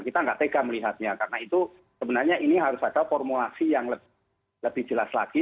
kita nggak tega melihatnya karena itu sebenarnya ini harus ada formulasi yang lebih jelas lagi